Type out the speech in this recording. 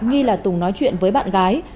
nghi là tùng nói chuyện với bạn gái